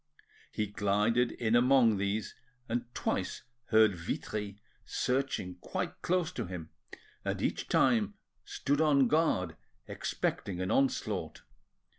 He glided in among these, and twice heard Vitry searching quite close to him, and each time stood on guard expecting an onslaught.